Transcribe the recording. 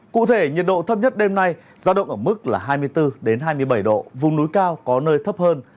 cụ thể nhiệt độ thấp nhất đêm nay giao động ở mức là hai mươi bốn hai mươi bảy độ vùng núi cao có nơi thấp hơn